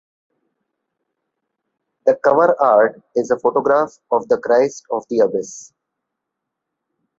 The cover art is a photograph of the Christ of the Abyss.